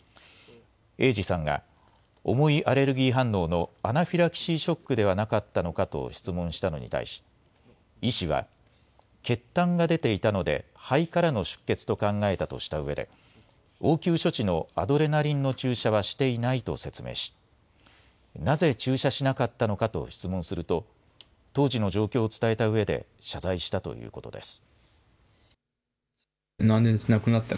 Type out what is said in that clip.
英治さんが、重いアレルギー反応のアナフィラキシーショックではなかったのかと質問したのに対し、医師は、血たんが出ていたので肺からの出血と考えたとしたうえで、応急処置のアドレナリンの注射はしていないと説明し、なぜ注射しなかったのかと質問すると、当時の状況を伝えたうえで、謝罪したということです。